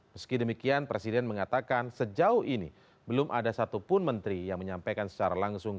meski demikian presiden mengatakan sejauh ini belum ada satupun menteri yang menyampaikan secara langsung